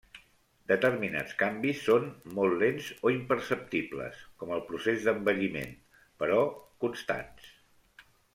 Determinats canvis són molt lents o imperceptibles, com el procés d'envelliment, però constants.